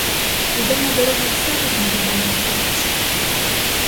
Відома дорога все від невідомої коротша.